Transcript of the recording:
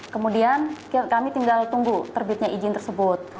kemudian kami tinggal tunggu terbitnya izin tersebut